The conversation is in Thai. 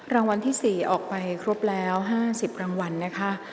รางวัลที่๔ออกไปครบแล้ว๕๐รางวัลนะคะ